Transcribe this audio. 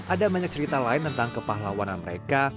ada banyak cerita lain tentang kepahlawanan mereka